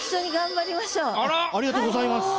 ありがとうございます。